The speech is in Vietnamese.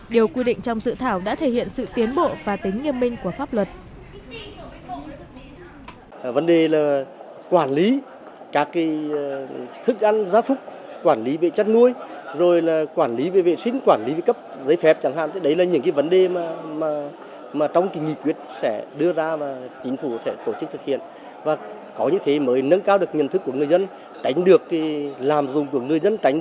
điều quy định trong dự thảo đã thể hiện sự tiến bộ và tính nghiêm minh của pháp luật